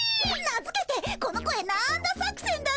名づけて「この声なんだ作戦」だね。